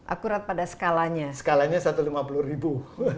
akurat pada skalanya skalanya satu ratus lima puluh ribu